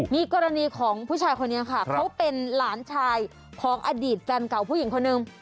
มีกรณีของผู้ชายคนนี้ค่ะเขาเป็นหลานชายของอดีตแฟนเก่าผู้หญิงคนหนึ่ง